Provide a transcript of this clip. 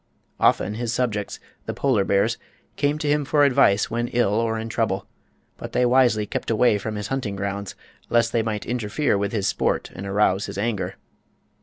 Often his subjects, the polar bears, came to him for advice when ill or in trouble; but they wisely kept away from his hunting grounds, lest they might interfere with his sport and arouse his anger.